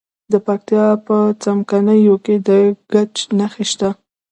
د پکتیا په څمکنیو کې د ګچ نښې شته.